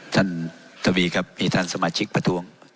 ทวีครับมีท่านสมาชิกประท้วง